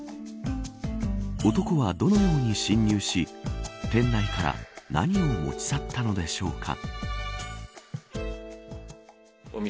男は、どのように侵入し店内から何を持ち去ったのでしょうか。